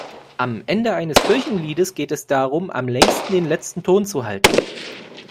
Am Ende eines Kirchenliedes geht es darum, am längsten den letzten Ton zu halten.